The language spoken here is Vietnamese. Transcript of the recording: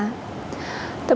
xin cảm ơn